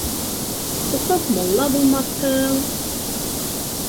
Уҡып мулла булмаҫһың